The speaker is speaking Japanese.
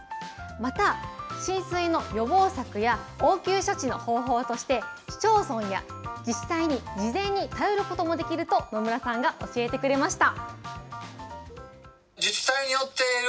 また、浸水の予防策や、応急処置の方法として、市町村や自治体に事前に頼ることもできると、野村さんが教えてくれました。